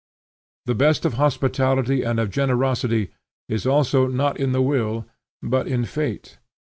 The best of hospitality and of generosity is also not in the will, but in fate.